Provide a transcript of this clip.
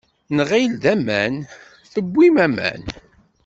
Nɣil d aman tewwim aman.